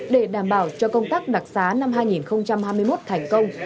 để đảm bảo cho công tác đặc xá năm hai nghìn hai mươi một thành công